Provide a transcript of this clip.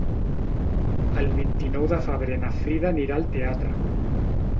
El vint-i-nou de febrer na Frida anirà al teatre.